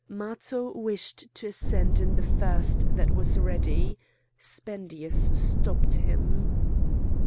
Matho wished to ascend in the first that was ready. Spendius stopped him.